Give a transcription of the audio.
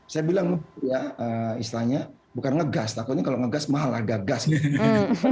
saya bilang ya istilahnya bukan ngegas takutnya kalau ngegas mahal agak gas gitu